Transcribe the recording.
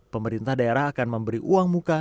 pemerintah daerah akan memberi uang muka